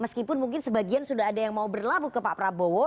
meskipun mungkin sebagian sudah ada yang mau berlabuh ke pak prabowo